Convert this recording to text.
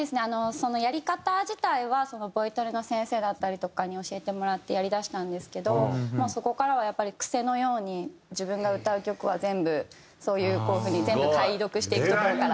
そのやり方自体はボイトレの先生だったりとかに教えてもらってやりだしたんですけどもうそこからはやっぱり癖のように自分が歌う曲は全部そういうこういう風に全部解読していくところから。